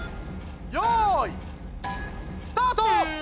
よいスタート！